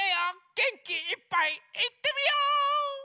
げんきいっぱいいってみよ！